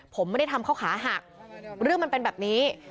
ผมไม่ได้ทำเขาขาหักเรื่องมันเป็นแบบนี้